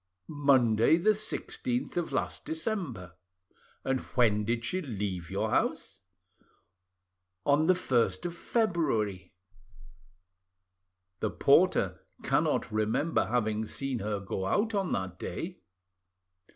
"Monday, the 16th of last December." "And when did she leave your house?" "On the 1st of February." "The porter cannot remember having seen her go out on that day."